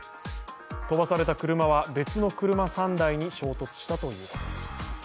飛ばされた車は別の車３台に衝突したということです。